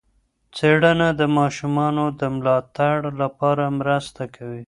څېړنه د ماشومانو د ملاتړ لپاره مرسته کوي.